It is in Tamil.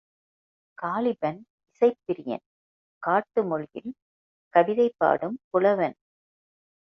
காலிபன் இசைப்பிரியன் காட்டு மொழியில் கவிதை பாடும் புலவன்.